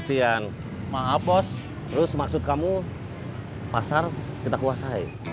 terus maksud kamu pasar kita kuasai